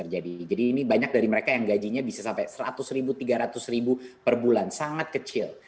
jadi ini banyak dari mereka yang gajinya bisa sampai seratus ribu tiga ratus ribu per bulan sangat kecil